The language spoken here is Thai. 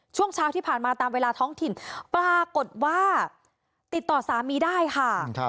ช่วงเช้าที่ผ่านมาตามเวลาท้องถิ่นปรากฏว่าติดต่อสามีได้ค่ะ